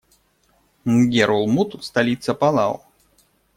Нгерулмуд - столица Палау.